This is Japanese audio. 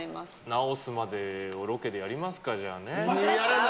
直すまでをロケでやりますか、じゃあね。